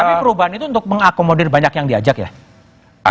tapi perubahan itu untuk mengakomodir banyak yang diajak ya